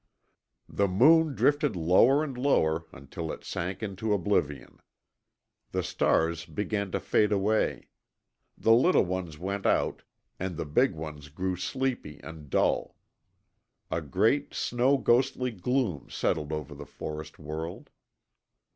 The moon drifted lower and lower until it sank into oblivion. The stars began to fade away The little ones went out, and the big ones grew sleepy and dull. A great snow ghostly gloom settled over the forest world.